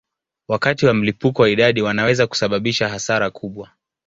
Wakati wa mlipuko wa idadi wanaweza kusababisha hasara kubwa.